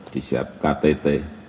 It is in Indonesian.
di setiap ktt